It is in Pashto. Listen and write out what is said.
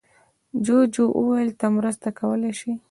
جوجو وویل ته مرسته کولی شې.